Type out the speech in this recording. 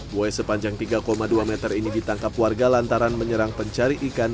buaya sepanjang tiga dua meter ini ditangkap warga lantaran menyerang pencari ikan